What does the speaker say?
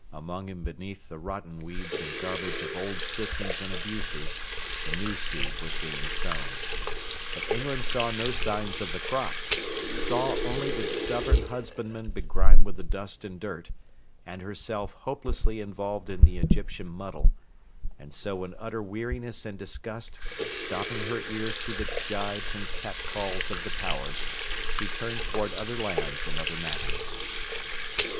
Among and beneath the rotten weeds and garbage of old systems and abuses the new seed was being sown. But England saw no signs of the crop; saw only the stubborn husbandmen begrimed with the dust and dirt, and herself hopelessly involved in the Egyptian muddle: and so in utter weariness and disgust, stopping her ears to the gibes and cat calls of the Powers, she turned towards other lands and other matters.